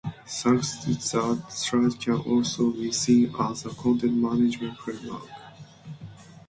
Thanks to that, Slide can also be seen as a Content Management Framework.